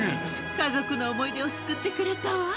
家族の思い出を救ってくれたわ！